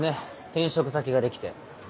転職先ができて。